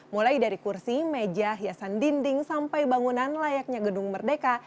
mulai dari kursi meja hiasan dinding sampai bangunan layaknya gedung merdeka